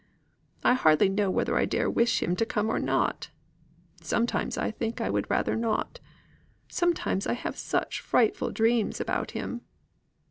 I hardly know whether I dare wish him to come or not. Sometimes I think I would rather not. Sometimes I have such frightful dreams about him."